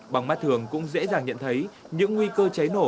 bằng mắt thường cũng dễ dàng nhận thấy những nguy cơ cháy nổ